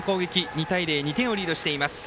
２対０、２点をリードしています。